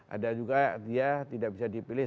ada juga dia tidak bisa dipilih